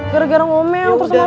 gara gara ngomel terus sama